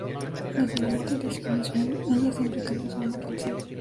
Desde la muerte de Swim Swim, ella siempre carga su arma consigo.